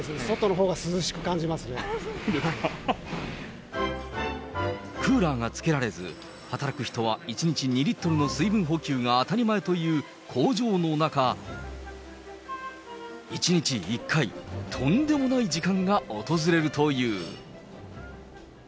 そうですね、クーラーがつけられず、働く人は１日２リットルの水分補給が当たり前という工場の中、１日１回、とんでもない時間が訪れるという。